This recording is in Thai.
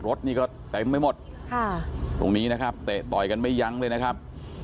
รถนี่ก็เต็มไปหมดค่ะตรงนี้นะครับเตะต่อยกันไม่ยั้งเลยนะครับ